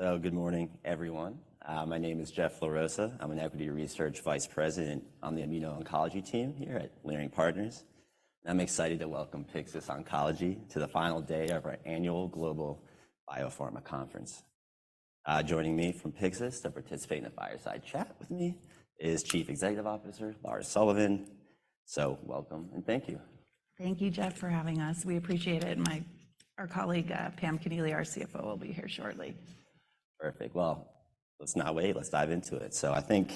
Okay. So, good morning, everyone. My name is Jeff La Rosa. I'm an equity research vice president on the immuno-oncology team here at Leerink Partners. And I'm excited to welcome Pyxis Oncology to the final day of our annual global biopharma conference. Joining me from Pyxis to participate in a fireside chat with me is Chief Executive Officer Lara Sullivan. So, welcome, and thank you. Thank you, Jeff, for having us. We appreciate it. Our colleague, Pam Connealy, our CFO, will be here shortly. Perfect. Well, let's not wait. Let's dive into it. So, I think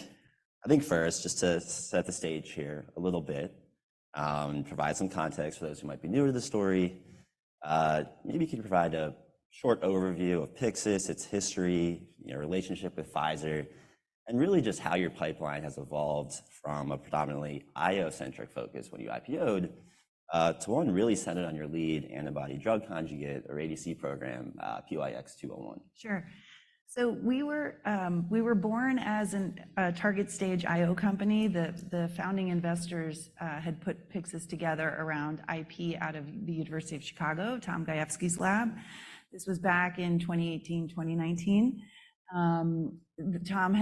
first, just to set the stage here a little bit, provide some context for those who might be new to the story. Maybe you could provide a short overview of Pyxis, its history, you know, relationship with Pfizer, and really just how your pipeline has evolved from a predominantly IO-centric focus when you IPOed, to one really centered on your lead antibody-drug conjugate, or ADC program, PYX-201. Sure. So, we were born as a target-stage IO company. The founding investors had put Pyxis together around IP out of the University of Chicago, Tom Gajewski's lab. This was back in 2018-2019. Tom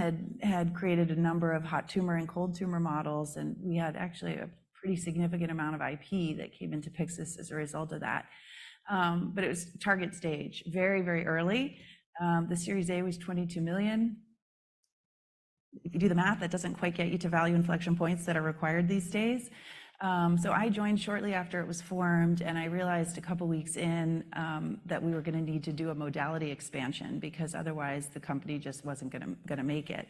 had created a number of hot tumor and cold tumor models, and we had actually a pretty significant amount of IP that came into Pyxis as a result of that. But it was target stage, very, very early. The Series A was $22 million. If you do the math, that doesn't quite get you to value inflection points that are required these days. So I joined shortly after it was formed, and I realized a couple weeks in that we were going to need to do a modality expansion because otherwise the company just wasn't going to make it.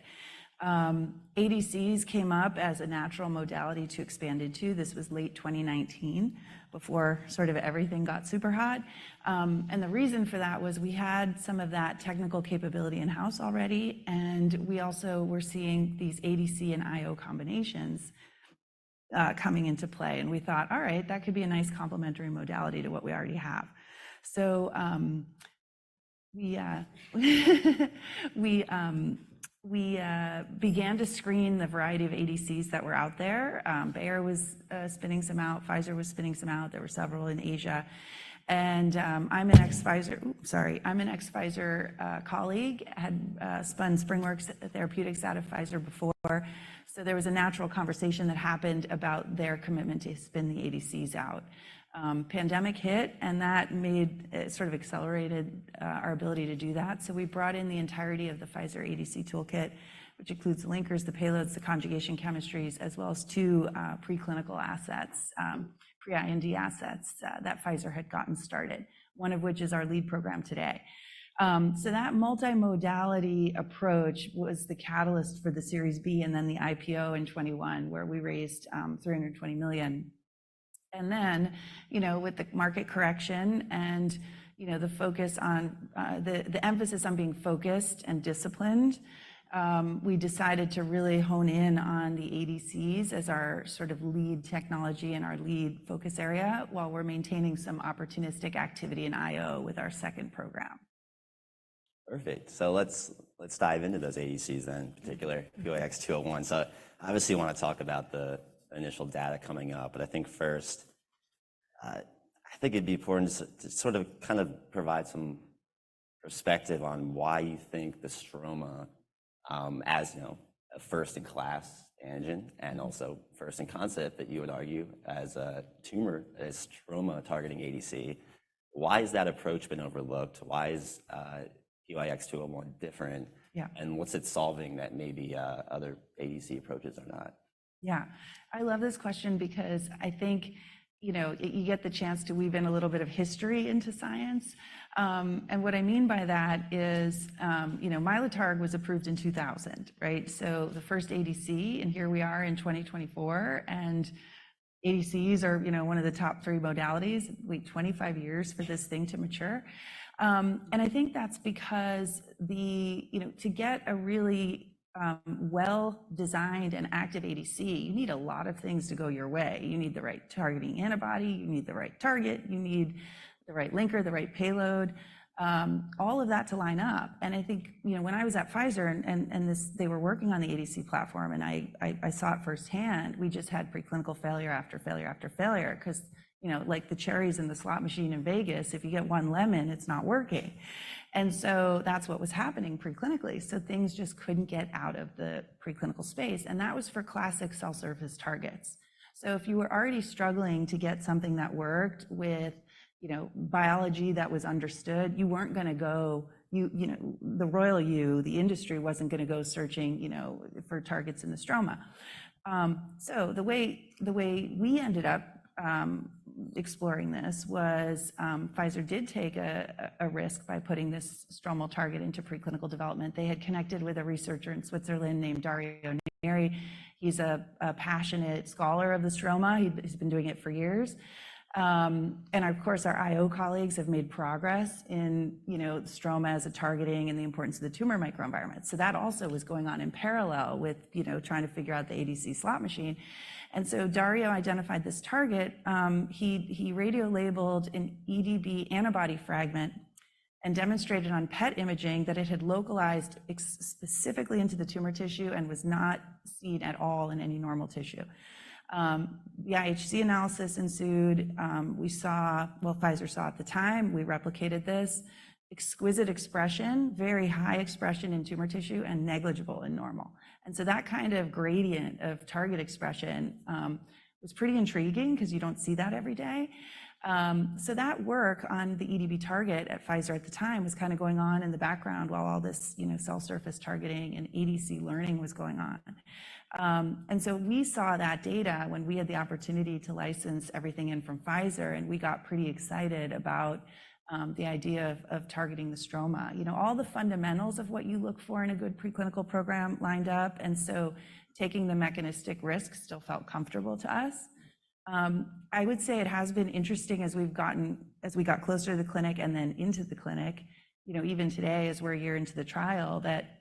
ADCs came up as a natural modality to expand into. This was late 2019, before sort of everything got super hot. And the reason for that was we had some of that technical capability in-house already, and we also were seeing these ADC and IO combinations coming into play. And we thought, all right, that could be a nice complementary modality to what we already have. So, we began to screen the variety of ADCs that were out there. Bayer was spinning some out. Pfizer was spinning some out. There were several in Asia. And, I'm an ex-Pfizer colleague who had spun SpringWorks Therapeutics out of Pfizer before. So, there was a natural conversation that happened about their commitment to spin the ADCs out. The pandemic hit, and that made it sort of accelerated our ability to do that. So, we brought in the entirety of the Pfizer ADC toolkit, which includes the linkers, the payloads, the conjugation chemistries, as well as two preclinical assets, pre-IND assets, that Pfizer had gotten started, one of which is our lead program today. So that multimodality approach was the catalyst for the Series B and then the IPO in 2021, where we raised $320 million. And then, you know, with the market correction and, you know, the focus on the emphasis on being focused and disciplined, we decided to really hone in on the ADCs as our sort of lead technology and our lead focus area while we're maintaining some opportunistic activity in IO with our second program. Perfect. So, let's dive into those ADCs in particular, PYX-201. So, obviously, you want to talk about the initial data coming up, but I think first, I think it'd be important to sort of kind of provide some perspective on why you think the stroma, as, you know, a first-in-class angle and also first-in-concept that you would argue as a tumor, as stroma targeting ADC. Why has that approach been overlooked? Why is PYX-201 different? Yeah, and what's it solving that maybe, other ADC approaches are not? Yeah, I love this question because I think, you know, you get the chance to weave in a little bit of history into science. And what I mean by that is, you know, Mylotarg was approved in 2000, right? So, the first ADC, and here we are in 2024, and ADCs are, you know, one of the top three modalities. It took 25 years for this thing to mature. And I think that's because the, you know, to get a really, well-designed and active ADC, you need a lot of things to go your way. You need the right targeting antibody. You need the right target. You need the right linker, the right payload, all of that to line up. I think, you know, when I was at Pfizer and this they were working on the ADC platform, and I saw it firsthand, we just had preclinical failure after failure after failure because, you know, like the cherries in the slot machine in Vegas, if you get one lemon, it's not working. And so that's what was happening preclinically. So, things just couldn't get out of the preclinical space. And that was for classic cell surface targets. So, if you were already struggling to get something that worked with, you know, biology that was understood, you weren't going to go, you know, the royal you, the industry wasn't going to go searching, you know, for targets in the stroma. So the way we ended up exploring this was, Pfizer did take a risk by putting this stromal target into preclinical development. They had connected with a researcher in Switzerland named Dario Neri. He's a passionate scholar of the stroma. He's been doing it for years, and of course, our IO colleagues have made progress in, you know, the stroma as a targeting and the importance of the tumor microenvironment. So, that also was going on in parallel with, you know, trying to figure out the ADC slot machine. And so, Dario identified this target. He radiolabeled an EDB antibody fragment and demonstrated on PET imaging that it had localized specifically into the tumor tissue and was not seen at all in any normal tissue. The IHC analysis ensued. We saw, well, Pfizer saw at the time. We replicated this. Exquisite expression, very high expression in tumor tissue and negligible in normal. That kind of gradient of target expression was pretty intriguing because you don't see that every day. So that work on the EDB target at Pfizer at the time was kind of going on in the background while all this, you know, cell surface targeting and ADC learning was going on. And so, we saw that data when we had the opportunity to license everything in from Pfizer, and we got pretty excited about the idea of targeting the stroma. You know, all the fundamentals of what you look for in a good preclinical program lined up. Taking the mechanistic risk still felt comfortable to us. I would say it has been interesting as we got closer to the clinic and then into the clinic, you know, even today as we're a year into the trial, that,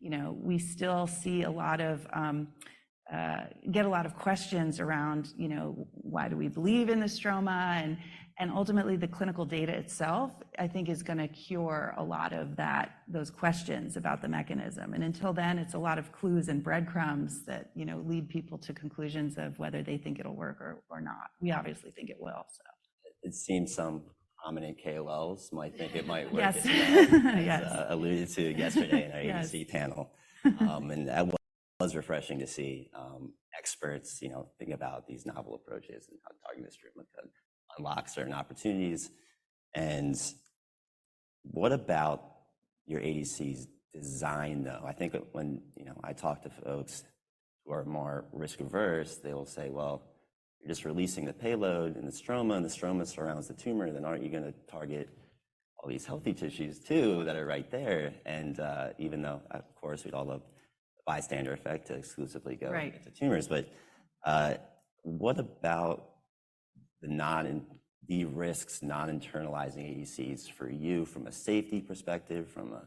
you know, we still see a lot of questions around, you know, why do we believe in the stroma? And ultimately, the clinical data itself, I think, is going to cure a lot of those questions about the mechanism. And until then, it's a lot of clues and breadcrumbs that, you know, lead people to conclusions of whether they think it'll work or not. We obviously think it will. So. It seemed some prominent KOLs might think it might work. Yes, yes. Alluded to yesterday in our ADC panel, and that was refreshing to see, experts, you know, thinking about these novel approaches and how targeting the stroma could unlock certain opportunities. What about your ADCs design, though? I think when, you know, I talk to folks who are more risk-averse, they will say, well, you're just releasing the payload and the stroma, and the stroma surrounds the tumor. Then aren't you going to target all these healthy tissues, too, that are right there? And, even though, of course, we'd all love the bystander effect to exclusively go into tumors. But, what about the risks non-internalizing ADCs for you from a safety perspective, from a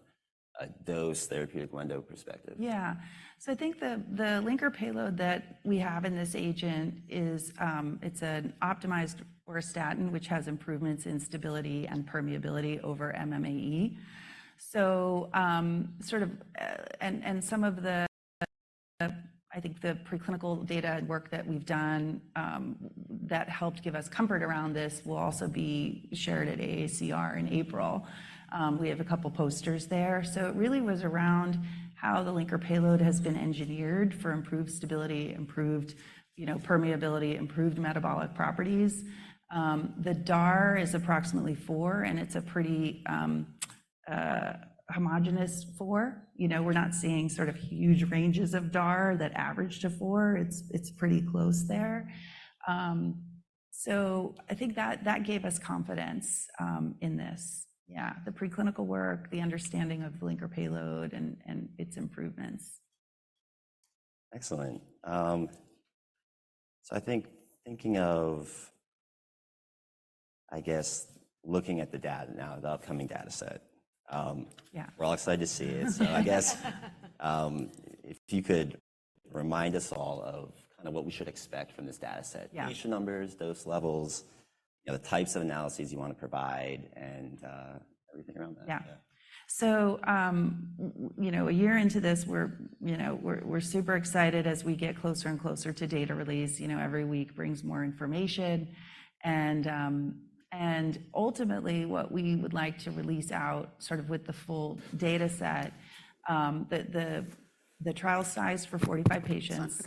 dose therapeutic window perspective? Yeah. So, I think the linker payload that we have in this agent is, it's an optimized auristatin, which has improvements in stability and permeability over MMAE. So, some of the, I think, the preclinical data and work that we've done, that helped give us comfort around this will also be shared at AACR in April. We have a couple posters there. So, it really was around how the linker payload has been engineered for improved stability, improved, you know, permeability, improved metabolic properties. The DAR is approximately four, and it's a pretty homogeneous four. You know, we're not seeing sort of huge ranges of DAR that average to four. It's pretty close there. So I think that gave us confidence in this. Yeah, the preclinical work, the understanding of the linker payload and its improvements. Excellent. So I think thinking of, I guess, looking at the data now, the upcoming data set, we're all excited to see it. So, I guess, if you could remind us all of kind of what we should expect from this data set, patient numbers, dose levels, you know, the types of analyses you want to provide, and everything around that. Yeah. So, you know, a year into this, we're, you know, we're super excited as we get closer and closer to data release. You know, every week brings more information. And ultimately, what we would like to release out sort of with the full data set, the trial size for 45 patients.